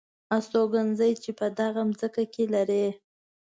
استوګنځي چې په دغه ځمکه یې لرئ .